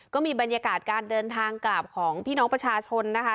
ก็มีบรรยากาศการเดินทางกลับของพี่น้องประชาชนนะคะ